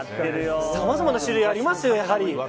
さまざまな種類がありますよやはり。